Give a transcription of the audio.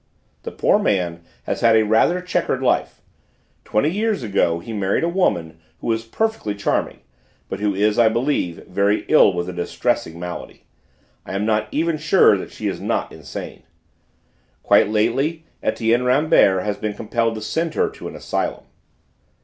The poor man has had a rather chequered life; twenty years ago he married a woman who was perfectly charming, but who is, I believe, very ill with a distressing malady: I am not even sure that she is not insane. Quite lately Etienne Rambert has been compelled to send her to an asylum."